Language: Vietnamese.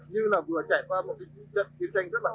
như là vừa trải qua một cái chiến tranh rất là công nghiệp